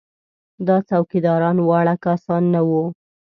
دا څوکیداران واړه کسان نه وو.